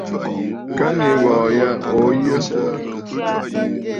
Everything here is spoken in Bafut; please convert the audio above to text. Ka ŋyi aghɔ̀ɔ̀ yâ, òo yə̂.